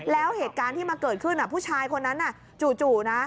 แล้วเหตุการณ์ที่มาเกิดขึ้นผู้ชายคนนั้นจู่นะ